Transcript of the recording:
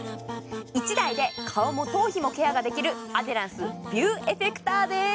１台で顔も頭皮もケアできるアデランスビューエフェクターでーす。